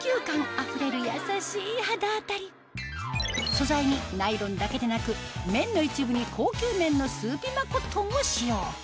素材にナイロンだけでなく綿の一部に高級綿のスーピマコットンを使用